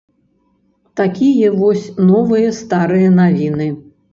Такія вось новыя старыя навіны.